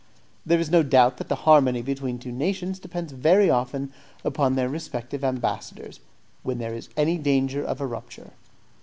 There is no doubt that the harmony between two nations depends very often upon their respective ambassadors, when there is any danger of a rupture.